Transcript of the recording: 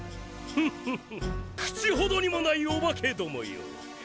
フフフ口ほどにもないオバケどもよ。